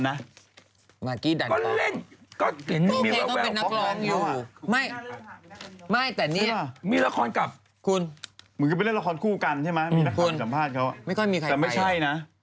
ไม่ก็มีใครไป